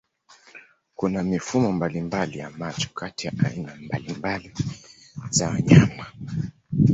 Kuna mifumo mbalimbali ya macho kati ya aina mbalimbali za wanyama.